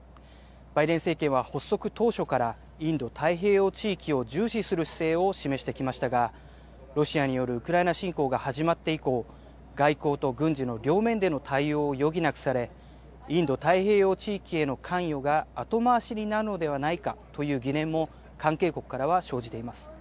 バイデン政権は発足当初からインド太平洋地域を重視する姿勢を示してきましたが、ロシアによるウクライナ侵攻が始まって以降、外交と軍事の両面での対応を余儀なくされ、インド太平洋地域への関与が後回しになるのではないかという疑念も関係国からは生じています。